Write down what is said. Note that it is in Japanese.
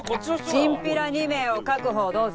チンピラ２名を確保どうぞ。